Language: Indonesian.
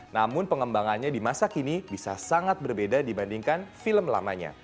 namun pengembangannya di masa kini bisa sangat berbeda dibandingkan film lamanya